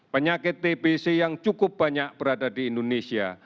penyakit tbc yang cukup banyak berada di indonesia